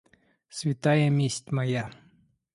Святая месть моя!